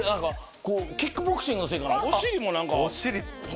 キックボクシングのせいかな？